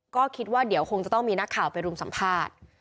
ก็คิดว่าเดี๋ยวคงจะต้องมีนักข่าวไปรุมสัมภาษณ์